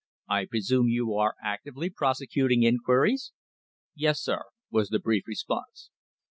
"I presume you are actively prosecuting inquiries?" "Yes, sir," was the brief response.